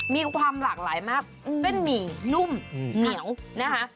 มีความหลากหลายมากเส้นหมี่นุ่มเหนียวนะคะ